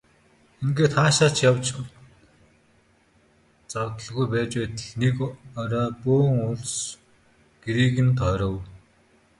Ингээд хаашаа ч явж завдалгүй байж байтал нэг орой бөөн улс гэрийг нь тойров.